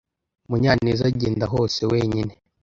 Munyaneza agenda hose wenyine.